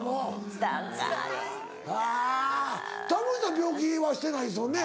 タモリさん病気はしてないですもんね。